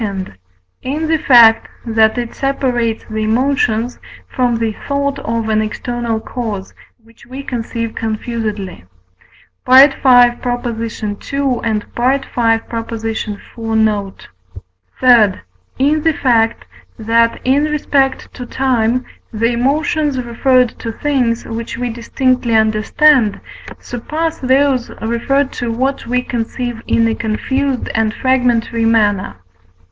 In the fact that it separates the emotions from the thought of an external cause, which we conceive confusedly (V. ii. and V. iv. note). III. In the fact, that, in respect to time, the emotions referred to things, which we distinctly understand, surpass those referred to what we conceive in a confused and fragmentary manner (V.